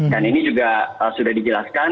dan ini juga sudah dijelaskan